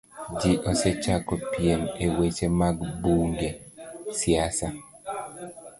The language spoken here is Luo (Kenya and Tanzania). Ji osechako piem e weche mag bunge, siasa,